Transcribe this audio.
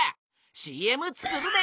ＣＭ作るで！